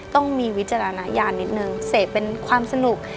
ต้องมีวิจารณญาณนิดนึงเสพเป็นความสนุก